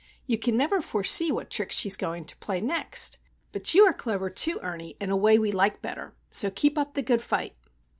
"You can never foresee what trick she is going to play next. But you are clever, too, Ernie, in a way we like better. So keep up the good fight!"